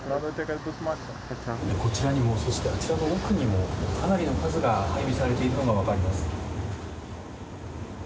こちらにもそしてあちらの奥にもかなりの数が配備されているのが分かります。